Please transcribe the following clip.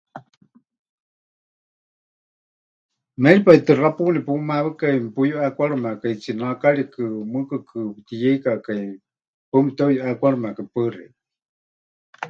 Méripai tɨ xapuuni pumawekai, mepuyuʼeekwarɨmekai tsinakarikɨ, mɨɨkɨkɨ pɨtiyeikakai, paɨ mepɨteʼuyuʼeekwarɨmekai. Mɨpaɨ xeikɨ́a.